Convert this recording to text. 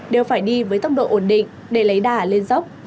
đều phải đi với tốc độ ổn định để lấy đà lên dốc